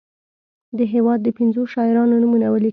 د هیواد د پنځو شاعرانو نومونه ولیکي.